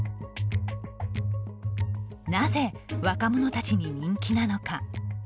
なぜ、若者たちに人気なのか。